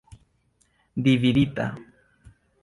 dividita